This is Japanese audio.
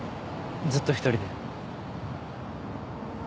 ずっと１人で。